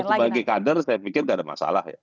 sebagai kader saya pikir tidak ada masalah ya